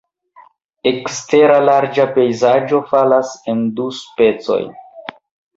Ekstera larĝa pejzaĝo falas en du specojn.